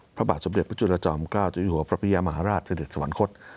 พระบาทสมเด็จพระจุลจอมเกล้าเจ้าอยู่หัวพระพิยามหาราชเสด็จสวรรคต